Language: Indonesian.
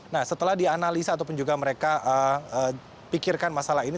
nah setelah dianalisa ataupun juga mereka pikirkan masalah ini